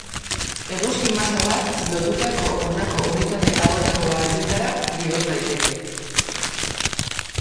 Eguzki masa bat lotutako honako unitate hauetako batetara bihur daiteke.